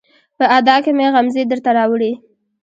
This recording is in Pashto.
په ادا کې مې غمزې درته راوړي